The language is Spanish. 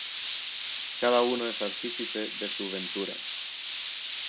Cada uno es artífice de su ventura.